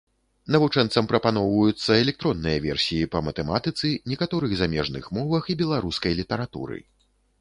Навучэнцам прапаноўваюцца электронныя версіі па матэматыцы, некаторых замежных мовах і беларускай літаратуры.